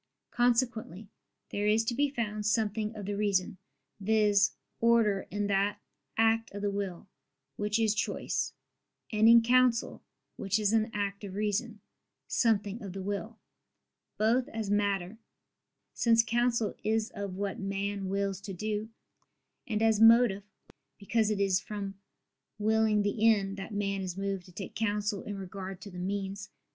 Consequently there is to be found something of the reason, viz. order, in that act of the will, which is choice: and in counsel, which is an act of reason, something of the will both as matter (since counsel is of what man wills to do) and as motive (because it is from willing the end, that man is moved to take counsel in regard to the means).